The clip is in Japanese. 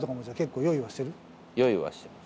用意はしてます。